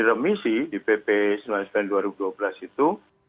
remisi di pp sembilan puluh sembilan dua ribu dua belas itu